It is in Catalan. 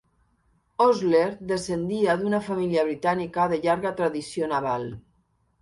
Osler descendia d'una família britànica de llarga tradició naval.